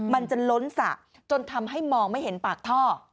มันจะล้นสระจนทำให้มองไม่เห็นปากท่อ